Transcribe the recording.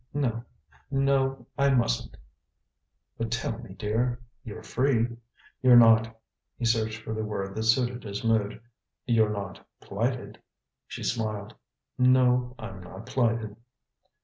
"No no, I mustn't." "But tell me, dear. You're free? You're not " he searched for the word that suited his mood "you're not plighted?" She smiled. "No, I'm not plighted."